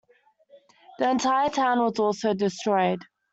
The entire town was also destroyed.